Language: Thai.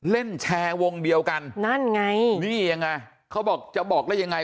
เล่นแชร์วงเดียวกันนั่นไงนี่ยังไงเขาบอกจะบอกได้ยังไง